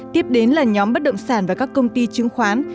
tiếp đến là nhóm bất động sản và các công ty chứng khoán